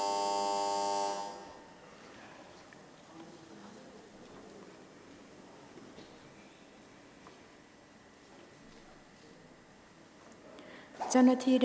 ออกรางวัลเลขหน้า๓ตัวครั้งที่๑ค่ะ